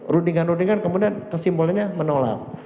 rundingan rundingan kemudian kesimpulannya menolak